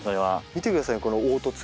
見て下さいこの凹凸。